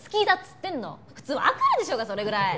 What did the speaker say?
普通わかるでしょうがそれぐらい。